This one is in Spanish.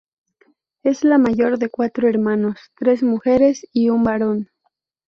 Es la mayor de cuatro hermanos, tres mujeres y un varón.